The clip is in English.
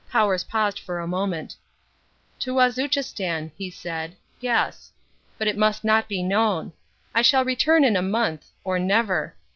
Powers paused a moment. "To Wazuchistan," he said, "yes. But it must not be known. I shall return in a month or never.